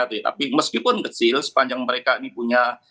tapi meskipun kecil sepanjang mereka ini punya